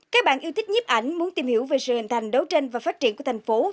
các bạn yêu thích nhiếp ảnh muốn tìm hiểu về sự hình thành đấu tranh và phát triển của thành phố